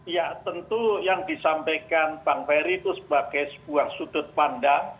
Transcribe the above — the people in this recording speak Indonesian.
ya tentu yang disampaikan bang ferry itu sebagai sebuah sudut pandang